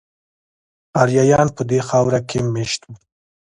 آریایان په دې خاوره کې میشت وو